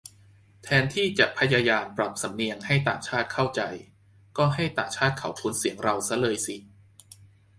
แทนที่จะพยายามปรับสำเนียงให้ต่างชาติเข้าใจ ก็ให้ต่างชาติเขาคุ้นเสียงเราซะเลยสิ